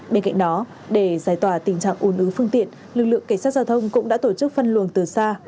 bên cạnh đó để giải tỏa tình trạng ồn ứ phương tiện lực lượng cảnh sát giao thông cũng đã tổ chức phân luồng từ xa